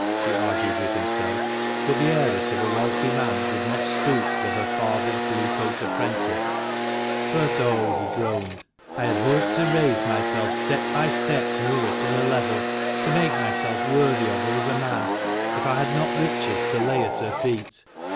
he argued with himself; that the heiress of a wealthy man would not stoop to her father's Blue coat apprentice. But oh !" he groaned, " I had hoped to raise THE MANCHESTER MAN. 317 myself step by step nearer to her level — to make myself worthy of her as a man, if I had not riches to lay at her feet.